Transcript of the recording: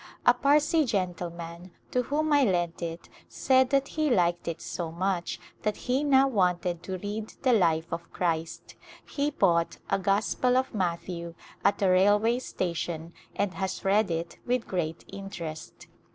A Parsee gentle man to whom I lent it said that he liked it so much that he now wanted to read the Life of Christ. He bought a Gospel of Matthew at a railway station and has read it with great interest.